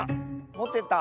もてた。